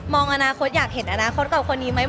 มองอนาคตอยากเห็นอนาคตจากคนนี้ไหม